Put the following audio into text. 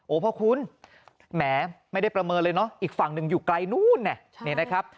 พ่อคุณแหมไม่ได้ประเมินเลยเนอะอีกฝั่งหนึ่งอยู่ไกลนู้นเนี่ยนะครับ